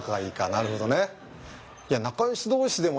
なるほどね。